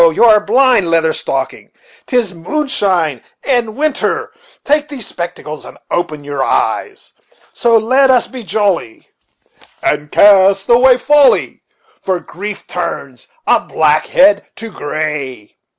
you are blind, Leather Stocking, 'tis moonshine and winter take these spectacles, and open your eyes So let us be jolly, And cast away folly, For grief turns a black head to gray.